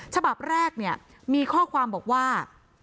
ฉบับแรกเนี่ยมีข้อความบอกว่า